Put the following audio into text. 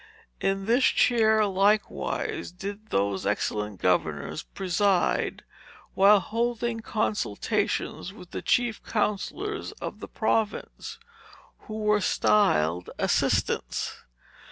In this chair, likewise, did those excellent governors preside, while holding consultations with the chief counsellors of the province, who were styled Assistants.